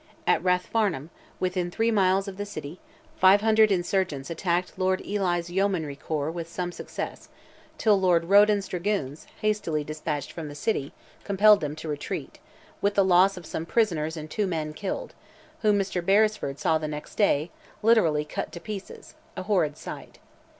At Rathfarnham, within three miles of the city, 500 insurgents attacked Lord Ely's yeomanry corps with some success, till Lord Roden's dragoons, hastily despatched from the city, compelled them to retreat, with the loss of some prisoners and two men killed, whom Mr. Beresford saw the next day, literally "cut to pieces—a horrid sight."